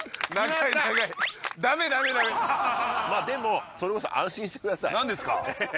いっでもそれこそ安心してください何ですか？